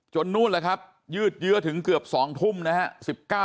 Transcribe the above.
นู่นแหละครับยืดเยื้อถึงเกือบ๒ทุ่มนะครับ